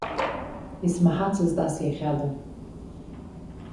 Исмаҳацызт ас иахьада.